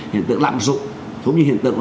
hiện tượng lạm dụng cũng như hiện tượng